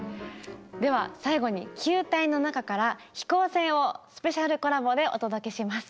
では最後に「球体」の中から「飛行船」をスペシャルコラボでお届けします。